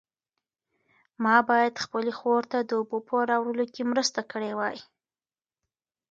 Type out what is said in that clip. ما باید خپلې خور ته د اوبو په راوړلو کې مرسته کړې وای.